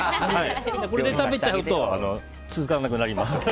これで食べちゃうと続かなくなります。